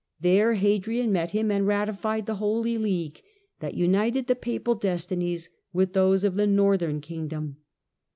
There Hadrian met him and ratified the " Holy League " that united the Papal destinies with those of the northern kingdom.